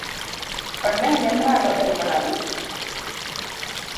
Onene malo e lab?